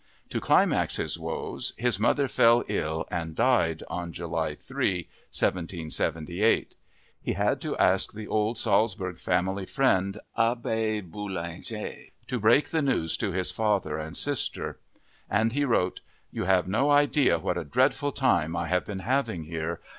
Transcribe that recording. To climax his woes his mother fell ill and died on July 3, 1778. He had to ask the old Salzburg family friend, Abbé Bullinger, to break the news to his father and sister. And he wrote, "You have no idea what a dreadful time I have been having here